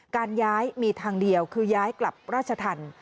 การย้ายมีทางเดียวคือย้ายกลับราชธรรม